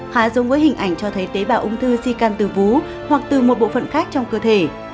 khá giống với hình ảnh cho thấy tế bào ung thư di căn từ vú hoặc từ một bộ phận khác trong cơ thể